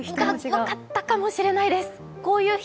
分かったかもしれないです。